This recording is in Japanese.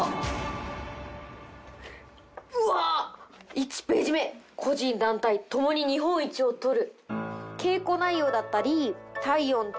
１ページ目「個人・団体共に日本一をとる！！」